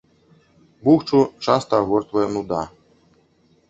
Бухчу часта агортвае нуда.